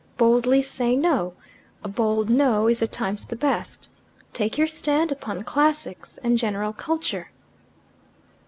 Boldly say no. A bold 'no' is at times the best. Take your stand upon classics and general culture."